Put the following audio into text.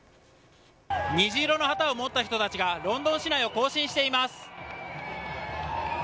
虹色の旗を持った人たちがロンドン市内を行進しています。